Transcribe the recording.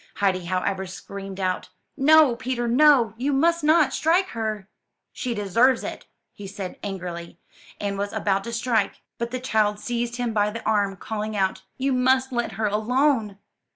Heidi, however, screamed out: ''No, Peter, no! you must not strike her!'' *'She deserves it," said he angrily, and was about to strike; but the child seized him by the arm, calling out, *'You must let her alone!"